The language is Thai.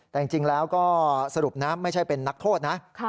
แต่จริงแล้วก็สรุปนะไม่ใช่เป็นนักโทษนะ